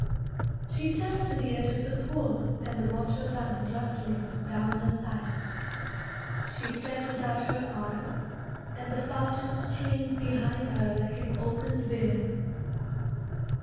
She steps to the edge of the pool And the water runs, rustling, down her sides. She stretches out her arms, And the fountain streams behind her Like an opened veil.